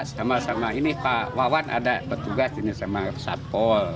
sama sama ini pak wawan ada petugas ini sama satpol